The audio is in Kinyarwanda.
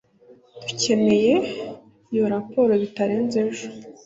Dukeneye iyo raporo bitarenze ejo